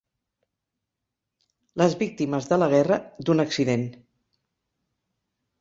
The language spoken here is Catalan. Les víctimes de la guerra, d'un accident.